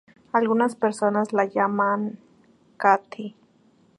Algunas personas la llaman Kathy.